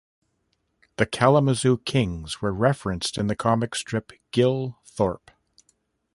The Kalamazoo Kings were referenced in the comic strip "Gil Thorp".